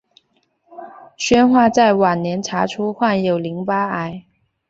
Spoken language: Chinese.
宣化在晚年查出患有淋巴癌。